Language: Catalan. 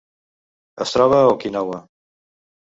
Es troba a Okinawa.